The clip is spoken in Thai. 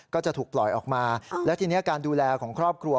ก็จะถูกปล่อยออกมาแล้วทีนี้การดูแลของครอบครัว